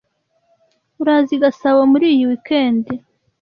Uraza i Gasabo muri iyi weekend?